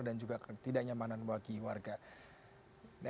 dan juga ketidaknyamanan bagi warga